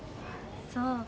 そう。